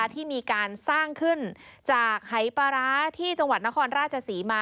ที่มีการสร้างขึ้นจากหายปลาร้าที่จังหวัดนครราชศรีมา